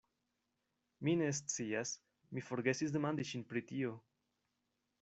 Mi ne scias, mi forgesis demandi ŝin pri tio.